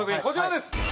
こちらです。